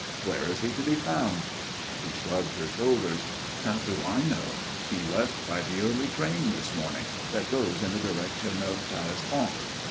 "Where is he to be found?" She shrugged her shoulders. "How do I know? He left by the early train this morning that goes in the direction of Tarascon."